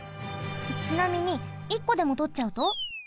ちなみに１こでもとっちゃうと？